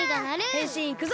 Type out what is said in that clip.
へんしんいくぞ！